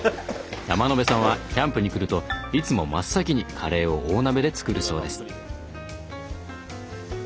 山野辺さんはキャンプに来るといつも真っ先にカレーを大鍋で作るそうです。